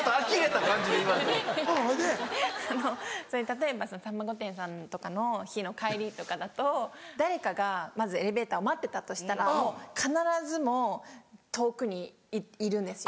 例えば『さんま御殿‼』さんとかの日の帰りとかだと誰かがまずエレベーターを待ってたとしたら必ずもう遠くにいるんですよ。